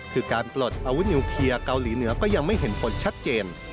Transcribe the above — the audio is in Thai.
คือการปลดอาวุธนิวเคลียร์เกาหลีเหนือก็ยังไม่เห็นผลชัดเจน